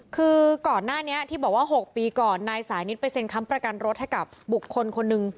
คือก่อนหน้านี้ที่บอกว่า๖ปีก่อนนายสานิทไปเซ็นค้ำประกันรถให้กับบุคคลคนหนึ่ง